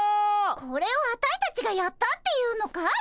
これをアタイたちがやったっていうのかい？